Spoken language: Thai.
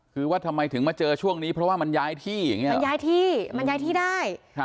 คือว่าทำไมถึงมาเจอช่วงนี้เพราะว่ามันย้ายที่อย่างนี้มันย้ายที่มันย้ายที่ได้